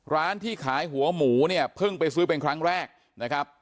ร้านที่ขายหัวหมูเนี่ยเพิ่งไปซื้อเป็นครั้งแรกนะครับ